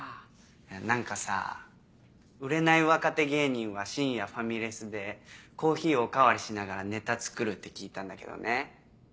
何かさ売れない若手芸人は深夜ファミレスでコーヒーお代わりしながらネタ作るって聞いたんだけどね。